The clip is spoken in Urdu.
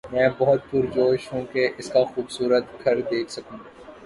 میں بہت پرجوش ہوں کہ اس کا خوبصورت گھر دیکھ سکوں